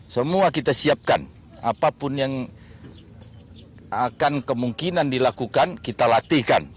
semua kita siapkan apapun yang akan kemungkinan dilakukan kita latihkan